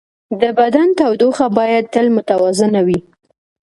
د بدن تودوخه باید تل متوازنه وي.